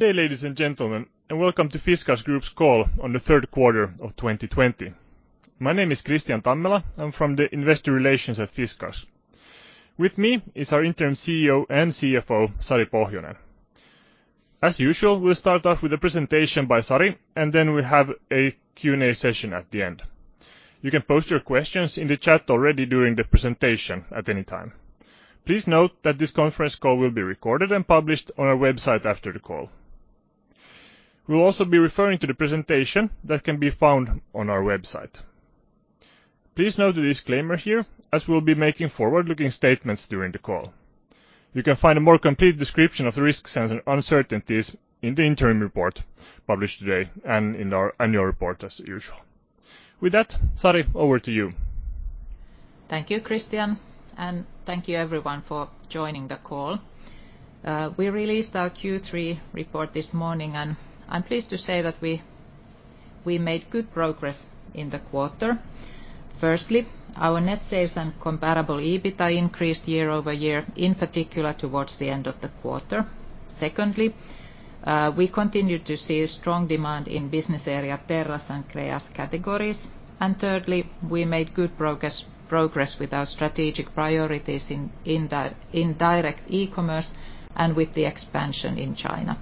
Good day, ladies and gentlemen, and welcome to Fiskars Group's call on the third quarter of 2020. My name is Kristian Tammela. I'm from the investor relations at Fiskars. With me is our interim CEO and CFO, Sari Pohjonen. As usual, we'll start off with a presentation by Sari, and then we'll have a Q&A session at the end. You can post your questions in the chat already during the presentation at any time. Please note that this conference call will be recorded and published on our website after the call. We'll also be referring to the presentation that can be found on our website. Please note the disclaimer here, as we'll be making forward-looking statements during the call. You can find a more complete description of the risks and uncertainties in the interim report published today and in our annual report, as usual. With that, Sari, over to you. Thank you, Kristian, and thank you everyone for joining the call. We released our Q3 report this morning, and I'm pleased to say that we made good progress in the quarter. Firstly, our net sales and comparable EBITA increased year-over-year, in particular towards the end of the quarter. Secondly, we continued to see strong demand in business area Terra and Crea categories. Thirdly, we made good progress with our strategic priorities in direct e-commerce and with the expansion in China.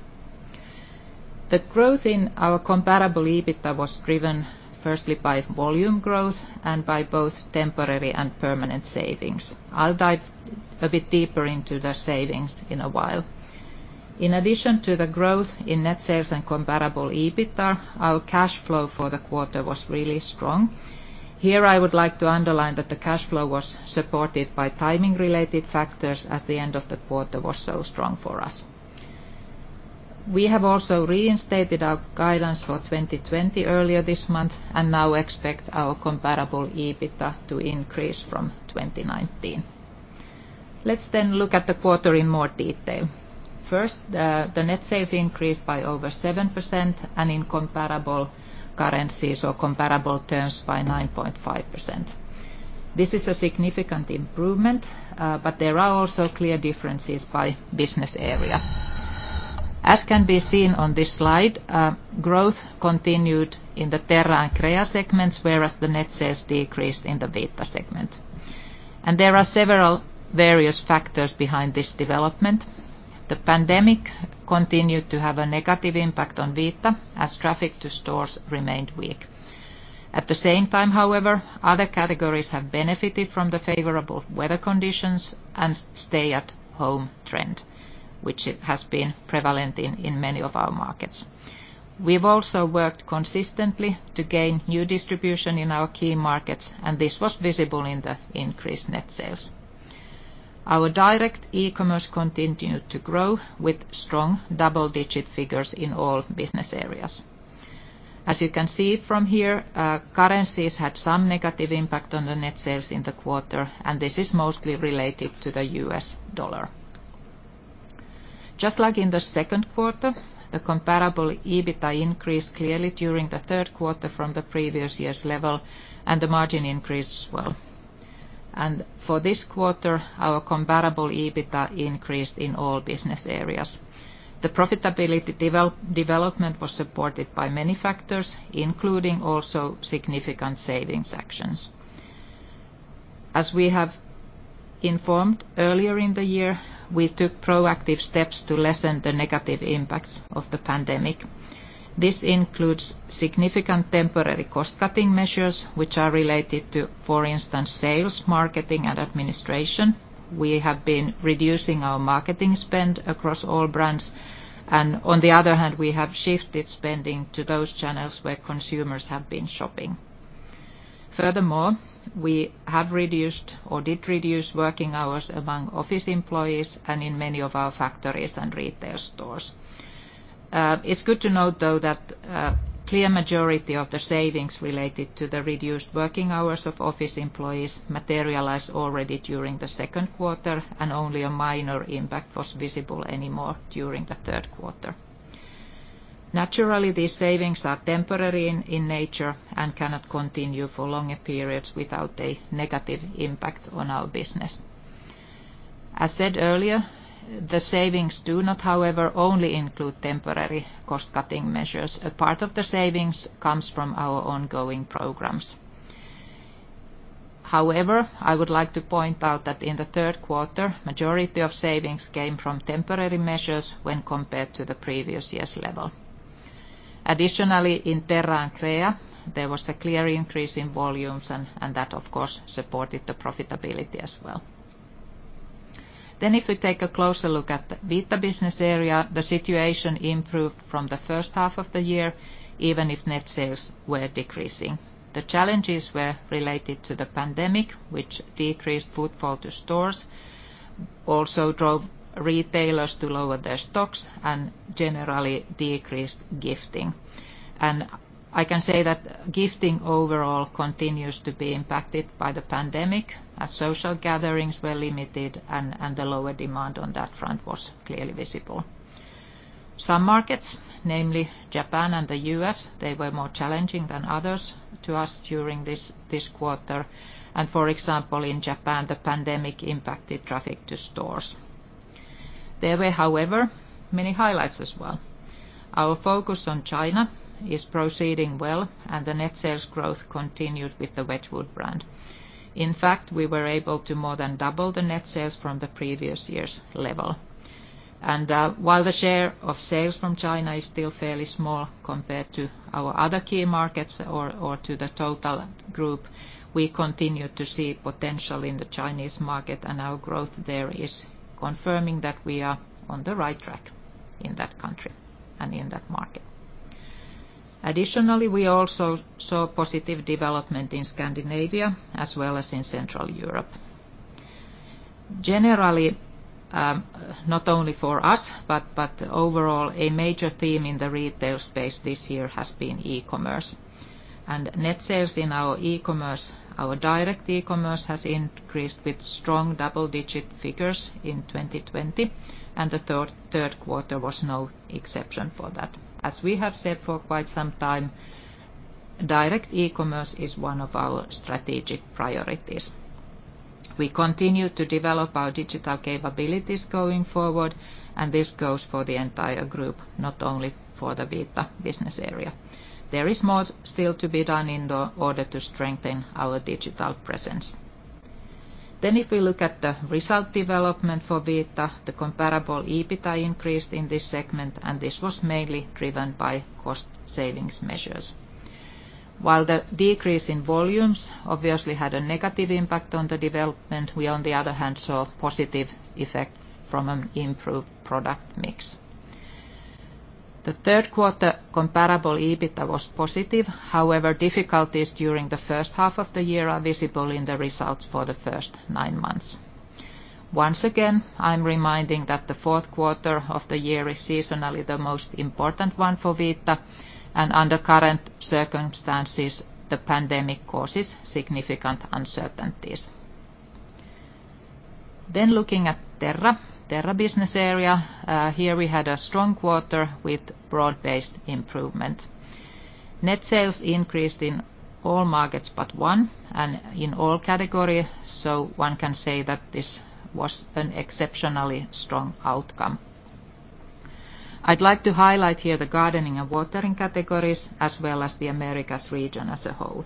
The growth in our comparable EBITA was driven firstly by volume growth and by both temporary and permanent savings. I'll dive a bit deeper into the savings in a while. In addition to the growth in net sales and comparable EBITA, our cash flow for the quarter was really strong. Here I would like to underline that the cash flow was supported by timing-related factors, as the end of the quarter was so strong for us. We have also reinstated our guidance for 2020 earlier this month and now expect our comparable EBITA to increase from 2019. Let's look at the quarter in more detail. First, the net sales increased by over 7% and in comparable currencies or comparable terms by 9.5%. This is a significant improvement, but there are also clear differences by business area. As can be seen on this slide, growth continued in the Terra and Crea segments, whereas the net sales decreased in the Vita segment. There are several various factors behind this development. The pandemic continued to have a negative impact on Vita, as traffic to stores remained weak. At the same time, however, other categories have benefited from the favorable weather conditions and stay-at-home trend, which has been prevalent in many of our markets. We've also worked consistently to gain new distribution in our key markets, and this was visible in the increased net sales. Our direct e-commerce continued to grow with strong double-digit figures in all business areas. As you can see from here, currencies had some negative impact on the net sales in the quarter, and this is mostly related to the US dollar. Just like in the second quarter, the comparable EBITA increased clearly during the third quarter from the previous year's level, and the margin increased as well. For this quarter, our comparable EBITA increased in all business areas. The profitability development was supported by many factors, including also significant savings actions. As we have informed earlier in the year, we took proactive steps to lessen the negative impacts of the pandemic. This includes significant temporary cost-cutting measures which are related to, for instance, sales, marketing, and administration. We have been reducing our marketing spend across all brands. On the other hand, we have shifted spending to those channels where consumers have been shopping. Furthermore, we have reduced or did reduce working hours among office employees and in many of our factories and retail stores. It's good to note, though, that a clear majority of the savings related to the reduced working hours of office employees materialized already during the second quarter, and only a minor impact was visible anymore during the third quarter. Naturally, these savings are temporary in nature and cannot continue for longer periods without a negative impact on our business. As said earlier, the savings do not, however, only include temporary cost-cutting measures. A part of the savings comes from our ongoing programs. However, I would like to point out that in the third quarter, majority of savings came from temporary measures when compared to the previous year's level. Additionally, in Terra and Crea, there was a clear increase in volumes, and that of course, supported the profitability as well. If we take a closer look at the Vita business area, the situation improved from the first half of the year, even if net sales were decreasing. The challenges were related to the pandemic, which decreased footfall to stores, also drove retailers to lower their stocks, and generally decreased gifting. I can say that gifting overall continues to be impacted by the pandemic, as social gatherings were limited and the lower demand on that front was clearly visible. Some markets Namely Japan and the U.S., they were more challenging than others to us during this quarter. For example, in Japan, the pandemic impacted traffic to stores. There were, however, many highlights as well. Our focus on China is proceeding well, and the net sales growth continued with the Wedgwood brand. In fact, we were able to more than double the net sales from the previous year's level. While the share of sales from China is still fairly small compared to our other key markets or to the total group, we continue to see potential in the Chinese market and our growth there is confirming that we are on the right track in that country and in that market. Additionally, we also saw positive development in Scandinavia as well as in Central Europe. Generally, not only for us, but overall, a major theme in the retail space this year has been e-commerce. Net sales in our e-commerce, our direct e-commerce has increased with strong double-digit figures in 2020, and the third quarter was no exception for that. As we have said for quite some time, direct e-commerce is one of our strategic priorities. We continue to develop our digital capabilities going forward, and this goes for the entire group, not only for the Vita business area. There is more still to be done in order to strengthen our digital presence. If we look at the result development for Vita, the comparable EBITA increased in this segment, and this was mainly driven by cost savings measures. While the decrease in volumes obviously had a negative impact on the development, we on the other hand, saw a positive effect from an improved product mix. The third quarter comparable EBITA was positive. Difficulties during the first half of the year are visible in the results for the first nine months. Once again, I'm reminding that the fourth quarter of the year is seasonally the most important one for Vita and under current circumstances, the pandemic causes significant uncertainties. Looking at Terra business area, here we had a strong quarter with broad-based improvement. Net sales increased in all markets but one and in all categories, One can say that this was an exceptionally strong outcome. I'd like to highlight here the gardening and watering categories as well as the Americas region as a whole.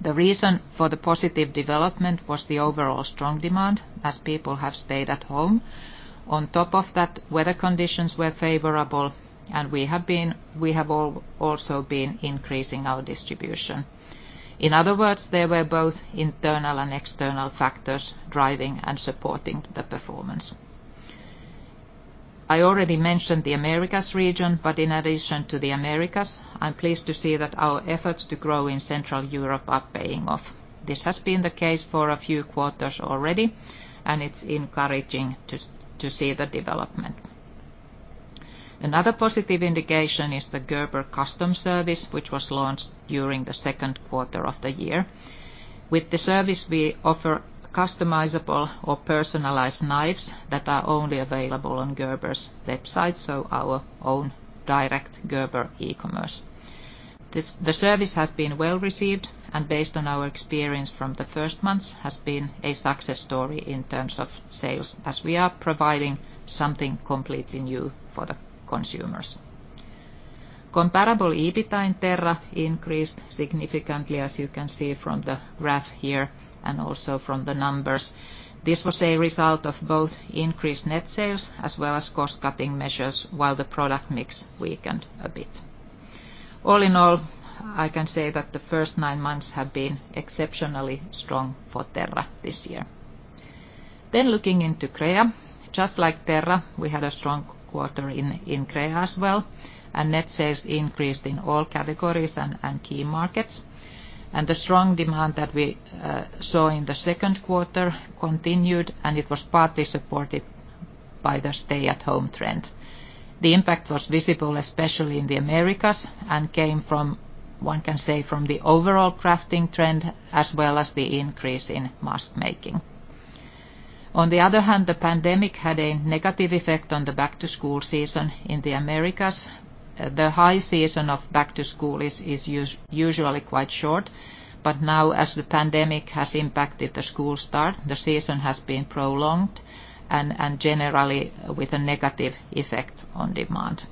The reason for the positive development was the overall strong demand as people have stayed at home. On top of that, weather conditions were favorable, and we have also been increasing our distribution. In other words, there were both internal and external factors driving and supporting the performance. I already mentioned the Americas region, In addition to the Americas, I'm pleased to see that our efforts to grow in Central Europe are paying off. This has been the case for a few quarters already, and it's encouraging to see the development. Another positive indication is the Gerber Custom Service, which was launched during the second quarter of the year. With the service, we offer customizable or personalized knives that are only available on Gerber's website, Our own direct Gerber e-commerce. The service has been well-received and based on our experience from the first months, has been a success story in terms of sales as we are providing something completely new for the consumers. Comparable EBITA in Terra increased significantly, as you can see from the graph here, and also from the numbers. This was a result of both increased net sales as well as cost-cutting measures while the product mix weakened a bit. All in all, I can say that the first nine months have been exceptionally strong for Terra this year. Looking into Crea, just like Terra, we had a strong quarter in Crea as well, and net sales increased in all categories and key markets. The strong demand that we saw in the second quarter continued, and it was partly supported by the stay-at-home trend. The impact was visible, especially in the Americas, and came from, one can say, the overall crafting trend, as well as the increase in mask-making. On the other hand, the pandemic had a negative effect on the back-to-school season in the Americas. The high season of back-to-school is usually quite short, Now as the pandemic has impacted the school start, the season has been prolonged and generally with a negative effect on demand.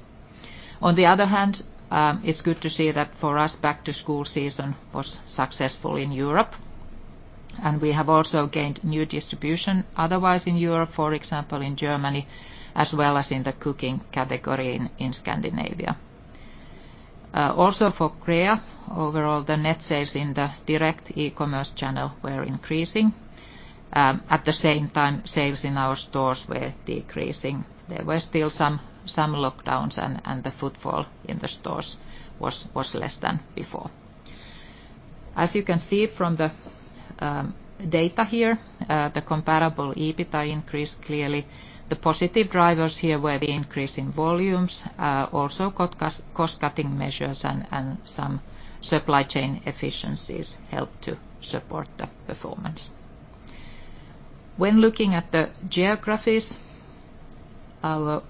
On the other hand, it's good to see that for us, back-to-school season was successful in Europe, and we have also gained new distribution otherwise in Europe, for example, in Germany, as well as in the cooking category in Scandinavia. For Crea, overall, the net sales in the direct e-commerce channel were increasing. At the same time, sales in our stores were decreasing. There were still some lockdowns and the footfall in the stores was less than before. As you can see from the data here, the comparable EBITA increased clearly. The positive drivers here were the increase in volumes, also cost-cutting measures and some supply chain efficiencies helped to support the performance. When looking at the geographies, our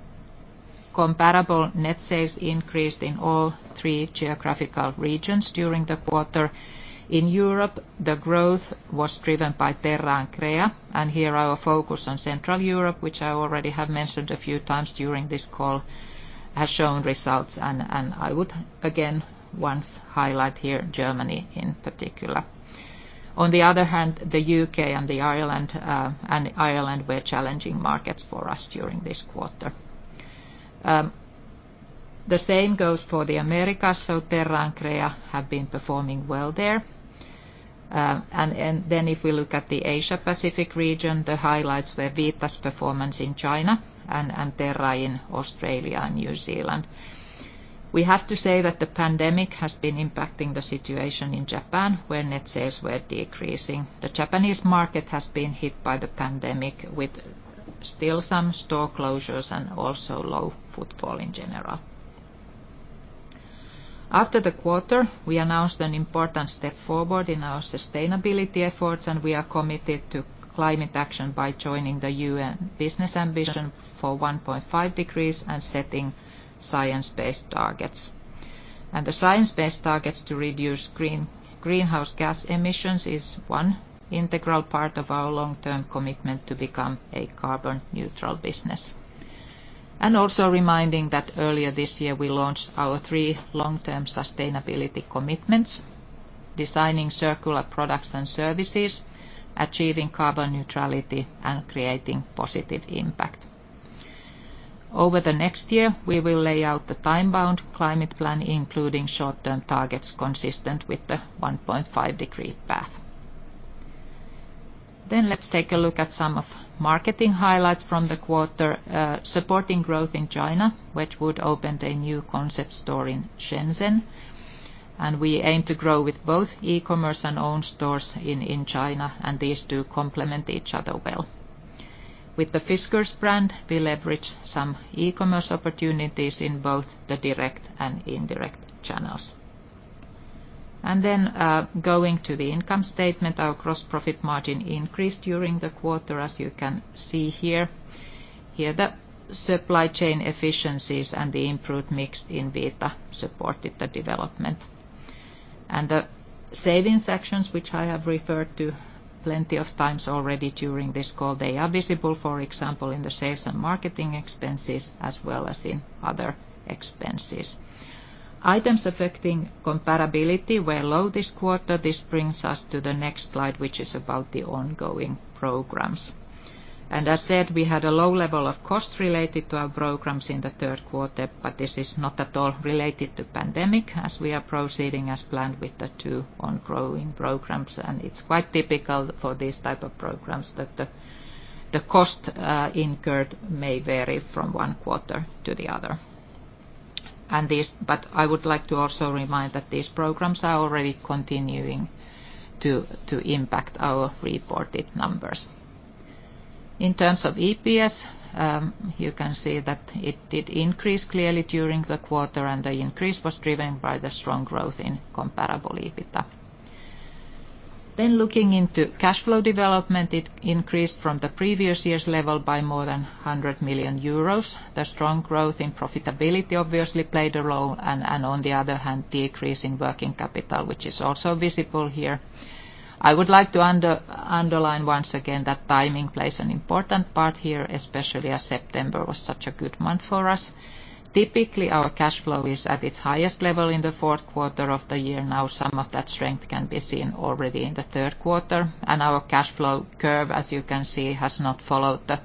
comparable net sales increased in all three geographical regions during the quarter. In Europe, the growth was driven by Terra and Crea, and here our focus on Central Europe, which I already have mentioned a few times during this call, has shown results, and I would again, once highlight here Germany in particular. On the other hand, the U.K. and Ireland were challenging markets for us during this quarter. The same goes for the Americas, Terra and Crea have been performing well there. If we look at the Asia Pacific region, the highlights were Vita's performance in China and Terra in Australia and New Zealand. We have to say that the pandemic has been impacting the situation in Japan, where net sales were decreasing. The Japanese market has been hit by the pandemic, with still some store closures and also low footfall in general. After the quarter, we announced an important step forward in our sustainability efforts, and we are committed to climate action by joining the UN Business Ambition for 1.5°C and setting Science-Based Targets. The Science-Based Targets to reduce greenhouse gas emissions is one integral part of our long-term commitment to become a carbon neutral business. Also reminding that earlier this year we launched our three long-term sustainability commitments, designing circular products and services, achieving carbon neutrality, and creating positive impact. Over the next year, we will lay out the time-bound climate plan, including short-term targets consistent with the 1.5 degree path. Let's take a look at some of marketing highlights from the quarter, supporting growth in China, Wedgwood opened a new concept store in Shenzhen, and we aim to grow with both e-commerce and own stores in China, and these two complement each other well. With the Fiskars brand, we leverage some e-commerce opportunities in both the direct and indirect channels. Going to the income statement, our gross profit margin increased during the quarter, as you can see here. Here the supply chain efficiencies and the improved mix in Vita supported the development. The savings actions, which I have referred to plenty of times already during this call, they are visible, for example, in the sales and marketing expenses, as well as in other expenses. Items Affecting Comparability were low this quarter. This brings us to the next slide, which is about the ongoing programs. As said, we had a low level of cost related to our programs in the third quarter, but this is not at all related to pandemic, as we are proceeding as planned with the two ongoing programs. It's quite typical for these type of programs that the cost incurred may vary from one quarter to the other. I would like to also remind that these programs are already continuing to impact our reported numbers. In terms of EPS, you can see that it did increase clearly during the quarter, and the increase was driven by the strong growth in comparable EBITA. Looking into cash flow development, it increased from the previous year's level by more than 100 million euros. The strong growth in profitability obviously played a role. On the other hand, decrease in working capital, which is also visible here. I would like to underline once again that timing plays an important part here, especially as September was such a good month for us. Typically, our cash flow is at its highest level in the fourth quarter of the year. Now some of that strength can be seen already in the third quarter, and our cash flow curve, as you can see, has not followed the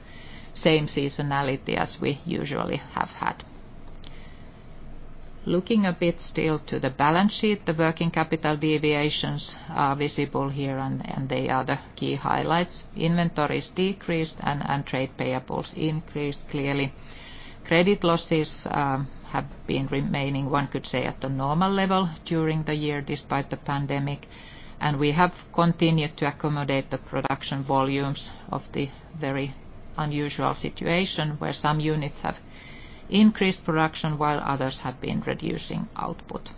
same seasonality as we usually have had. Looking a bit still to the balance sheet, the working capital deviations are visible here and they are the key highlights. Inventories decreased and trade payables increased clearly. Credit losses have been remaining, one could say, at the normal level during the year despite the pandemic. We have continued to accommodate the production volumes of the very unusual situation where some units have increased production while others have been reducing output.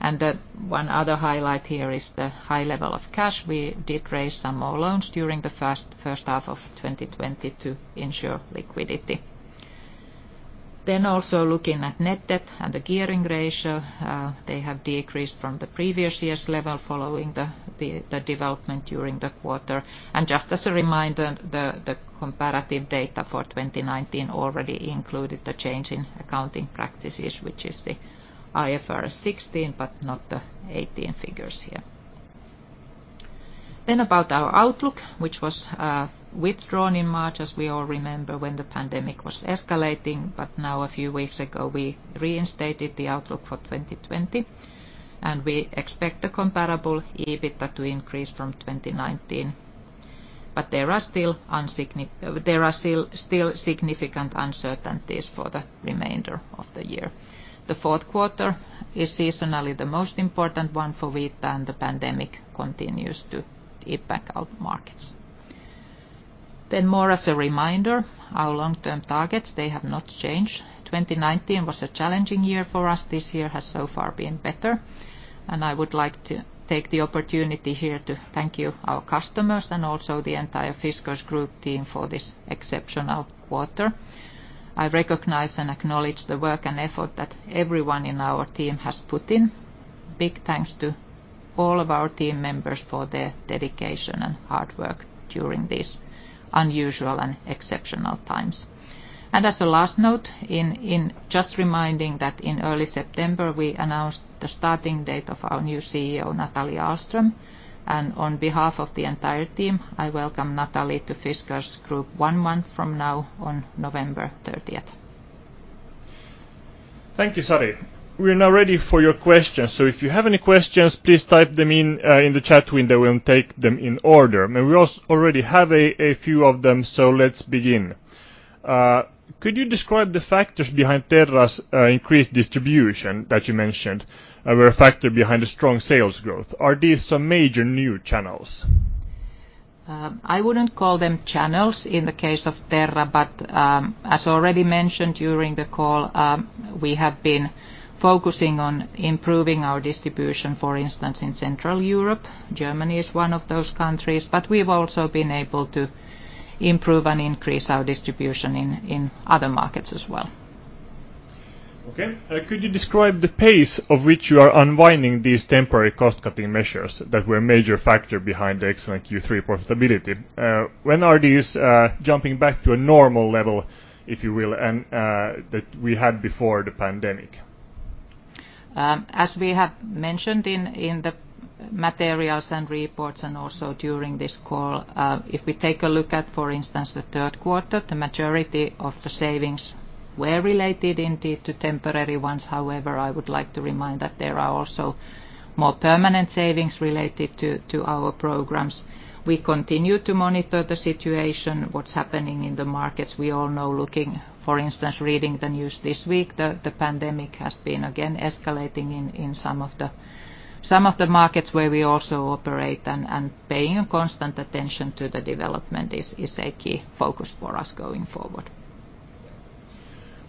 One other highlight here is the high level of cash. We did raise some more loans during the first half of 2020 to ensure liquidity. Also looking at net debt and the gearing ratio, they have decreased from the previous year's level following the development during the quarter. Just as a reminder, the comparative data for 2019 already included the change in accounting practices, which is the IFRS 16, but not the 2018 figures here. About our outlook, which was withdrawn in March, as we all remember when the pandemic was escalating, but now a few weeks ago, we reinstated the outlook for 2020, and we expect the comparable EBITA to increase from 2019. There are still significant uncertainties for the remainder of the year. The fourth quarter is seasonally the most important one for Vita, and the pandemic continues to impact our markets. More as a reminder, our long-term targets, they have not changed. 2019 was a challenging year for us. This year has so far been better. I would like to take the opportunity here to thank you, our customers, and also the entire Fiskars Group team for this exceptional quarter. I recognize and acknowledge the work and effort that everyone in our team has put in. Big thanks to all of our team members for their dedication and hard work during these unusual and exceptional times. As a last note, just reminding that in early September, we announced the starting date of our new CEO, Nathalie Ahlström, and on behalf of the entire team, I welcome Nathalie to Fiskars Group one month from now on November 30th. Thank you, Sari. We are now ready for your questions. If you have any questions, please type them in the chat window and we'll take them in order. We already have a few of them, so let's begin. Could you describe the factors behind Terra's increased distribution that you mentioned were a factor behind the strong sales growth? Are these some major new channels? I wouldn't call them channels in the case of Terra, as already mentioned during the call, we have been focusing on improving our distribution, for instance, in Central Europe. Germany is one of those countries, we've also been able to improve and increase our distribution in other markets as well. Okay. Could you describe the pace of which you are unwinding these temporary cost-cutting measures that were a major factor behind the excellent Q3 profitability? When are these jumping back to a normal level, if you will, that we had before the pandemic? As we have mentioned in the materials and reports and also during this call, if we take a look at, for instance, the third quarter, the majority of the savings were related indeed to temporary ones. However, I would like to remind that there are also more permanent savings related to our programs. We continue to monitor the situation, what's happening in the markets. We all know looking, for instance, reading the news this week, the pandemic has been again escalating in some of the markets where we also operate, and paying a constant attention to the development is a key focus for us going forward.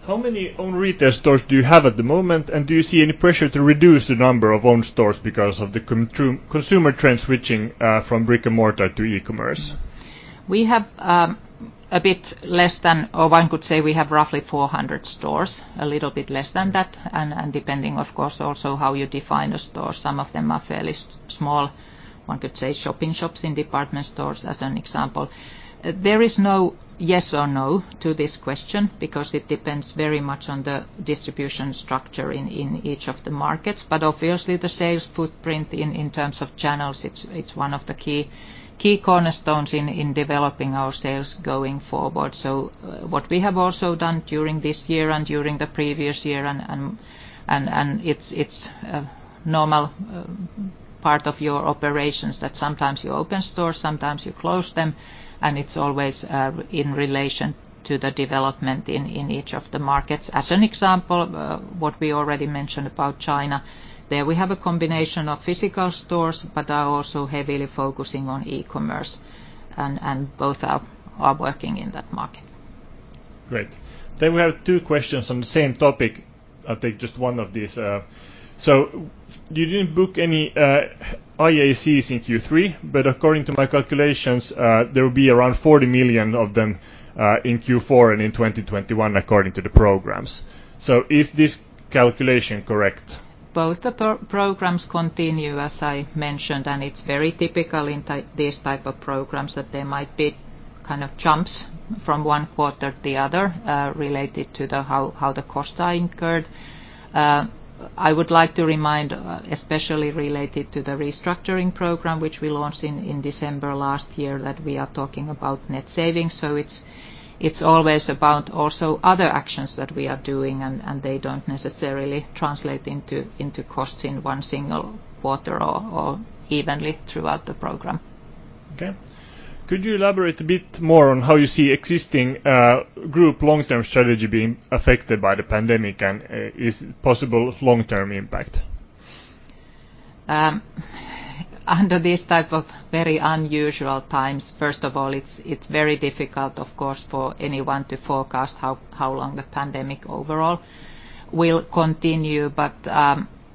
How many own retail stores do you have at the moment, and do you see any pressure to reduce the number of own stores because of the consumer trend switching from brick-and-mortar to e-commerce? We have a bit less than, or one could say we have roughly 400 stores, a little bit less than that, and depending of course also how you define a store. Some of them are fairly small, one could say shopping shops and department stores as an example. There is no yes or no to this question because it depends very much on the distribution structure in each of the markets. Obviously the sales footprint in terms of channels, it's one of the key cornerstones in developing our sales going forward. What we have also done during this year and during the previous year, and it's a normal part of your operations that sometimes you open stores, sometimes you close them, and it's always in relation to the development in each of the markets. As an example, what we already mentioned about China, there we have a combination of physical stores but are also heavily focusing on e-commerce and both are working in that market. Great. We have two questions on the same topic. I'll take just one of these. You didn't book any IACs in Q3, but according to my calculations, there will be around 40 million of them in Q4 and in 2021 according to the programs. Is this calculation correct? Both the programs continue, as I mentioned. It's very typical in these type of programs that there might be kind of jumps from one quarter to the other related to how the costs are incurred. I would like to remind, especially related to the restructuring program, which we launched in December last year, that we are talking about net savings. It's always about also other actions that we are doing, and they don't necessarily translate into costs in one single quarter or evenly throughout the program. Okay. Could you elaborate a bit more on how you see existing group long-term strategy being affected by the pandemic and its possible long-term impact? Under this type of very unusual times, first of all, it's very difficult, of course, for anyone to forecast how long the pandemic overall will continue.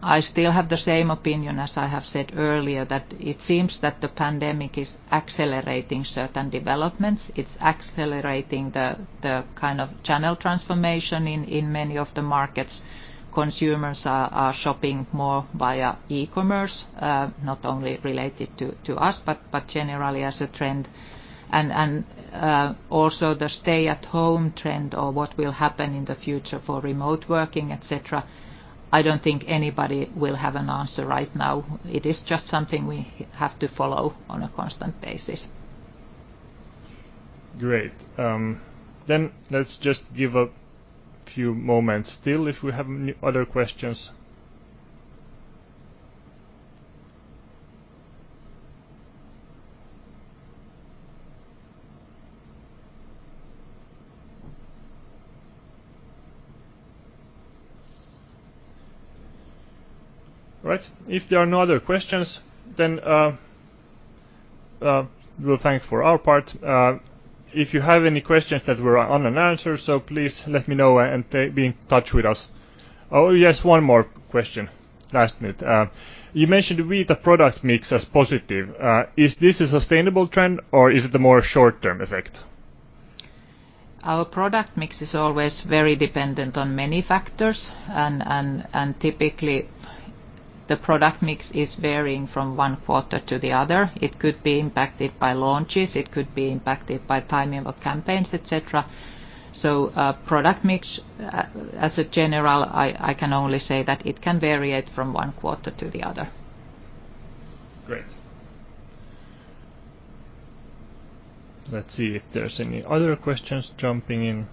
I still have the same opinion as I have said earlier, that it seems that the pandemic is accelerating certain developments. It's accelerating the kind of channel transformation in many of the markets. Consumers are shopping more via e-commerce, not only related to us, but generally as a trend. Also the stay-at-home trend or what will happen in the future for remote working, et cetera, I don't think anybody will have an answer right now. It is just something we have to follow on a constant basis. Great. Let's just give a few moments still if we have any other questions. All right. If there are no other questions, we'll thank for our part. If you have any questions that were unanswered, please let me know and be in touch with us. Oh, yes, one more question. Last minute. You mentioned Vita product mix as positive. Is this a sustainable trend or is it a more short-term effect? Our product mix is always very dependent on many factors and typically the product mix is varying from one quarter to the other. It could be impacted by launches, it could be impacted by timing of campaigns, et cetera. Product mix, as a general, I can only say that it can variate from one quarter to the other. Great. Let's see if there's any other questions jumping in